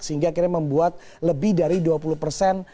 sehingga akhirnya membuat lebih dari dua puluh persen